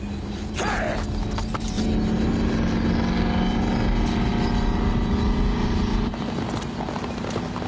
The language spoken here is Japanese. はっ！